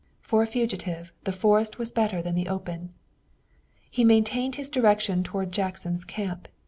For a fugitive the forest was better than the open. He maintained his direction toward Jackson's camp.